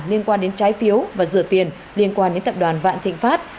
liên quan đến trái phiếu và rửa tiền liên quan đến tập đoàn vạn thịnh pháp